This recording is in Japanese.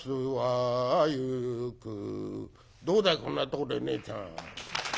「どうだいこんなとこでねえちゃん」。